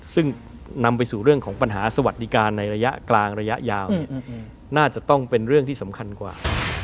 ซึ่งนำไปสู่เรื่องของปัญหาสวัสดิการในระยะกลางระยะยาวน่าจะต้องเป็นเรื่องที่สำคัญกว่า